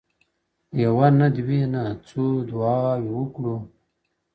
يوه نه، دوې نه، څو دعاوي وكړو،